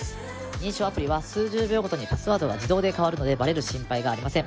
認証アプリは数十秒ごとにパスワードが自動で変わるのでバレる心配がありません。